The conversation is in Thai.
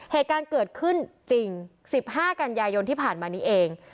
เหตุการณ์เกิดขึ้นจริง๑๕กันยายนที่ผ่านมานี้เอง